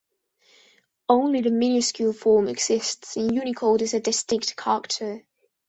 Only the minuscule form exists in Unicode as a distinct character.